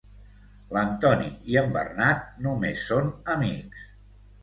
L'Antoni i en Bernat només són amics.